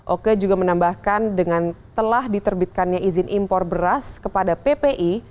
oke juga menambahkan dengan telah diterbitkannya izin impor beras kepada ppi